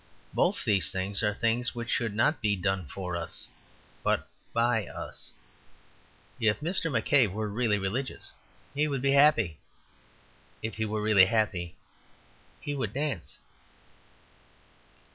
Both these things are things which should not be done for us, but by us. If Mr. McCabe were really religious he would be happy. If he were really happy he would dance.